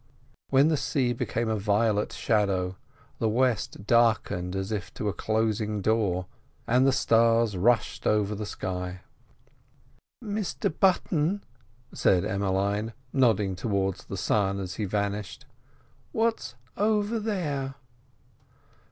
Then the sea became a violet shadow, the west darkened as if to a closing door, and the stars rushed over the sky. "Mr Button," said Emmeline, nodding towards the sun as he vanished, "where's over there?"